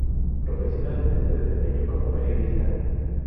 Profesionalmente, se desempeñó como periodista.